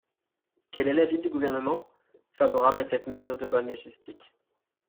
Quel est l’avis du Gouvernement ? Favorable à cette mesure de bonne légistique.